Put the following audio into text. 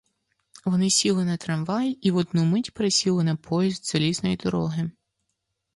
Вони сіли на трамвай і в одну мить пересіли на поїзд залізної дороги.